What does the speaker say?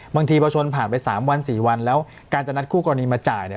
บางทีพอชนผ่านไป๓วัน๔วันแล้วการจะนัดคู่กรณีมาจ่ายเนี่ย